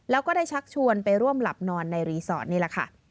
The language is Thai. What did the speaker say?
แล้วก็ได้ชักชวนไปร่วมหลับนอนในรีสอร์ทนี่แหละค่ะ